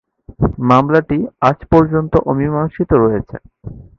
মামলাটি আজ পর্যন্ত অমীমাংসিত রয়েছে।